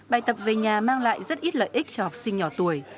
bài tập về nhà mang lại rất ít lợi ích cho học sinh nhỏ tuổi